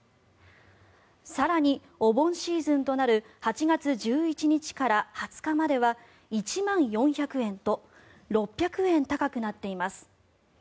更にお盆シーズンとなる８月１１日から２０日までは１万４００円と６００円高くなっています。